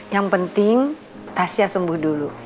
yang penting tasnya sembuh dulu